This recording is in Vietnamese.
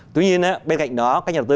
tuy nhiên bên cạnh đó các nhà đầu tư